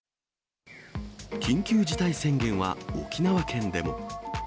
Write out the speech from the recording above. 緊急事態宣言は沖縄県でも。